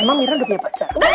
emang mirna udah punya pacar